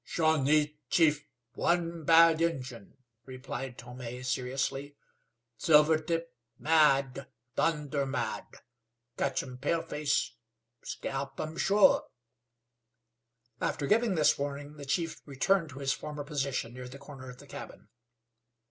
"Shawnee chief one bad Injun," replied Tome, seriously. "Silvertip mad thunder mad. Ketch'um paleface scalp'um sure." After giving this warning the chief returned to his former position near the corner of the cabin.